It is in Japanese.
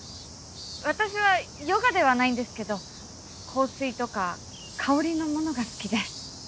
私はヨガではないんですけど香水とか香りのものが好きで。